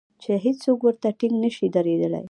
چې هېڅوک ورته ټینګ نشي درېدلای.